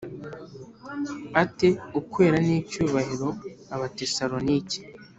ate ukwera n icyubahiro Abatesalonike